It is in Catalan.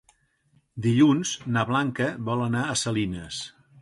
Dilluns na Blanca vol anar a Salines.